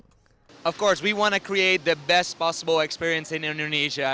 tentu saja kita ingin membuat pengalaman terbaik yang bisa di indonesia